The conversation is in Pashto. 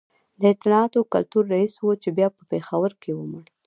د اطلاعاتو کلتور رئیس و چي بیا په پېښور کي ومړ